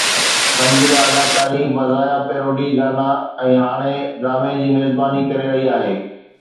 سنجيده اداڪاري مزاحيه پيروڊي گانا ۽ هاڻي ڊرامي جي ميزباني ڪري رهي آهي.